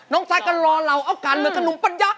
น้องชายกระนดรอเราเอาการเหมือนดมฟัญญา